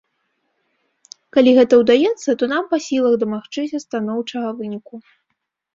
Калі гэта ўдаецца, то нам па сілах дамагчыся станоўчага выніку.